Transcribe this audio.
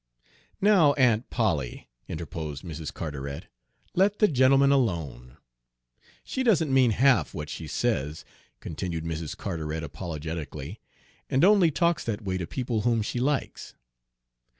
"Now, Aunt Polly," interposed Mrs. Carteret, "let the gentlemen alone." "She doesn't mean half what she says," continued Mrs. Carteret apologetically, "and only talks that way to people whom she likes."